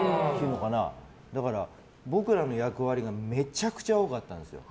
だから僕らの役割がめちゃくちゃ多かったんですよ。